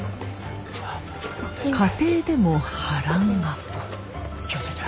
家庭でも波乱が。